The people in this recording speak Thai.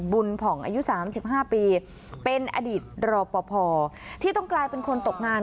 ผ่องอายุ๓๕ปีเป็นอดีตรอปภที่ต้องกลายเป็นคนตกงาน